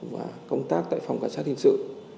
và công tác tại phòng cảnh sát hình sự